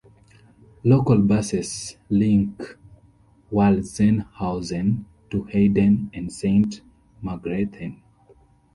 Local buses link Walzenhausen to Heiden and Saint Margrethen.